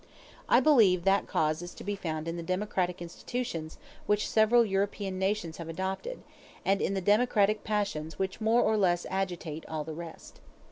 I believe that cause is to be found in the democratic institutions which several European nations have adopted, and in the democratic passions which more or less agitate all the rest.